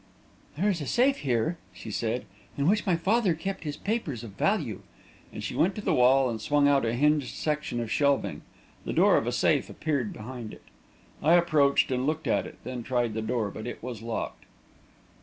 "There is a safe here," she said, "in which my father kept his papers of value," and she went to the wall and swung out a hinged section of shelving. The door of a safe appeared behind it. I approached and looked at it, then tried the door, but it was locked.